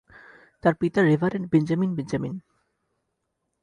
তার পিতা Reverend Benjamin Benjamin.